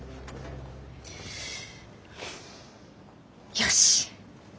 よし。